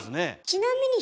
ちなみに